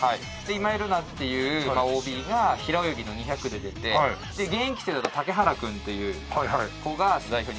今井月っていうＯＢが平泳ぎの２００で出て現役生だと竹原君っていう子が代表に決まりましたので。